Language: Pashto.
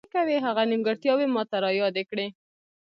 هغه نیمګړتیاوې ماته را یادې کړې.